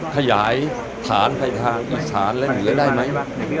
ขยายฐานไปทางอีสานและเหนือได้ไหม